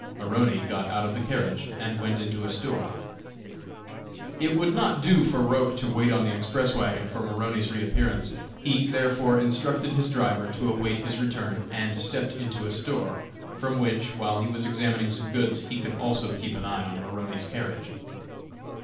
Maroney got out of the carriage and went into a store. It would not do for Roch to wait on the express wagon for Maroney's reappearance. He, therefore, instructed his driver to await his return, and stepped into a store, from which, while he was examining some goods, he could also keep an eye on Maroney's carriage.